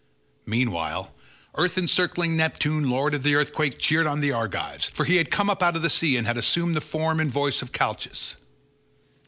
Meanwhile earth encircling Neptune lord of the earthquake cheered on the Argives, for he had come up out of the sea and had assumed the form and voice of Calchas.